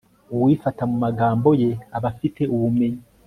uwifata mu magambo ye aba afite ubumenyi